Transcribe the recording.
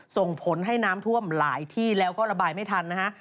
ส่งผลให้น้ำท่วมหลายที่แล้วก็ระบายไม่ทันนะฮะ